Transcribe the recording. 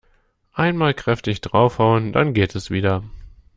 Einmal kräftig draufhauen, dann geht es wieder.